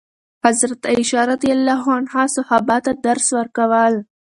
حضرت عایشه رضي الله عنها صحابه ته درس ورکول.